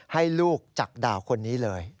ให้ลูกจากดาวคนนี้เลย